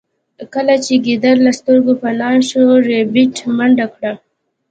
کله چې ګیدړ له سترګو پناه شو ربیټ منډه کړه